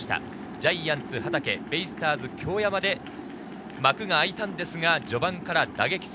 ジャイアンツ・畠、ベイスターズ・京山で幕が開いたのですが、序盤から打撃戦。